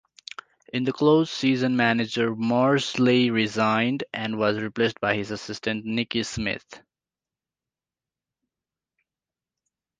In the close-season manager Morsley resigned, and was replaced by his assistant Nicky Smith.